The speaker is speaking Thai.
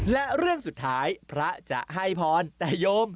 และเรื่องสุดท้ายพระจะให้พรแต่โยม